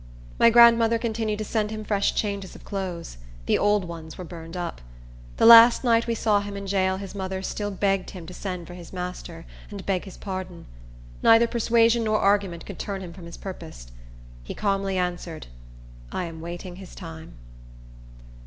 My grandmother continued to send him fresh changes of clothes. The old ones were burned up. The last night we saw him in jail his mother still begged him to send for his master, and beg his pardon. Neither persuasion nor argument could turn him from his purpose. He calmly answered, "I am waiting his time."